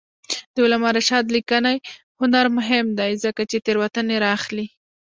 د علامه رشاد لیکنی هنر مهم دی ځکه چې تېروتنې رااخلي.